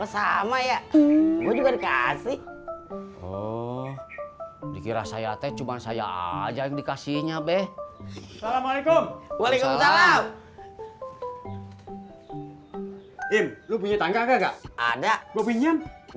sama ya juga dikasih oh dikira saya teh cuma saya aja yang dikasihnya be salamualaikum